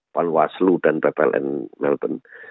panwaslu dan ppln melbourne